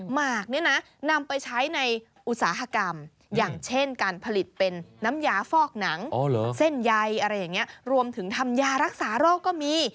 หมากเนี่ยนะนำไปใช้ในอุตสาหกรรมอย่างเช่นการผลิตเป็นน้ำยาฟอกหนังเส้นใยอะไรอย่างนี้รวมถึงทำยารักษาโรคก็มี